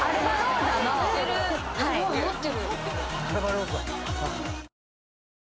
すごい持ってる。